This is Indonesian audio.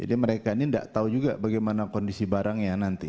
jadi mereka ini tidak tahu juga bagaimana kondisi barangnya nanti